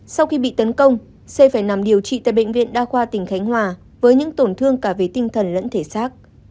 sau khi bị tấn công c phải nằm điều trị tại bệnh viện đa khoa tỉnh khánh hòa với những tổn thương cả về tinh thần lẫn thể xác